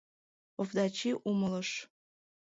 Овдачи умылыш.